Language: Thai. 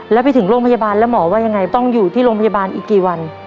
แล้วไปถึงโรงพยาบาลแล้วหมอว่ายังไงต้องอยู่ที่โรงพยาบาลอีกกี่วัน